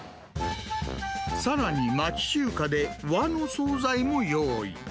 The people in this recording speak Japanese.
さらに町中華で和のお総菜も用意。